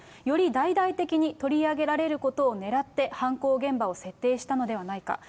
より大々的に取り上げられることをねらって、犯行現場を設定したのではないか。